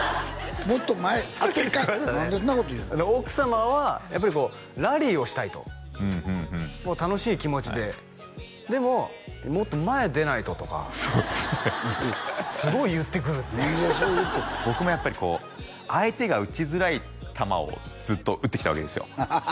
もっと前当てカン何でそんなこと言うねん奥様はやっぱりこうラリーをしたいとうんうんうんもう楽しい気持ちででも「もっと前出ないと」とかそうですねすごい言ってくるって僕もやっぱりこう相手が打ちづらい球をずっと打ってきたわけですよ